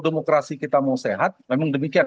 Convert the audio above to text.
demokrasi kita mau sehat memang demikian